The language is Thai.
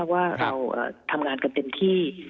ว่าเราทำงานกันเต็มที่